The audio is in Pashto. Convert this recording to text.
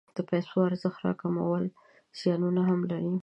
د پیسو ارزښت راکمول زیانونه هم لري.